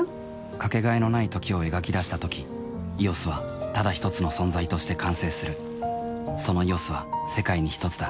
かけがえのない「時」を描き出したとき「ＥＯＳ」はただひとつの存在として完成するその「ＥＯＳ」は世界にひとつだ